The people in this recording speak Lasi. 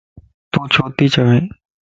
تون ڇو تي چوين؟